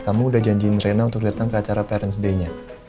kamu udah janjiin rena untuk datang ke acara parent day nya